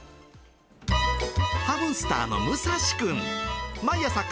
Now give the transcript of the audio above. ハムスターの、むさしくん。